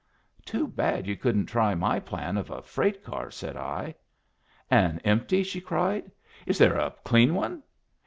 "Too bad you couldn't try my plan of a freight car!" said I. "An empty?" she cried. "Is there a clean one?"